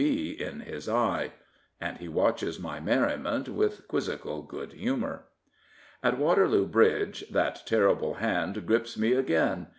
B. in his eye/' And he watches my merrinient with quizzical good humour. At Waterloo Bridge that terrible hand grips me again.